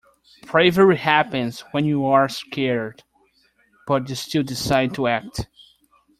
Bravery happens when you are scared, but you still decide to act.